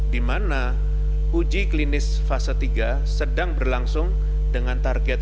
di mana uji klinis fase tiga sedang berlangsung dengan target